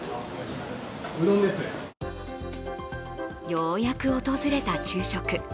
ようやく訪れた昼食。